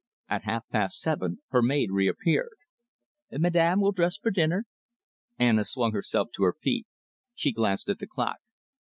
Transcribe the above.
At half past seven her maid reappeared. "Madame will dress for dinner?" Anna swung herself to her feet. She glanced at the clock.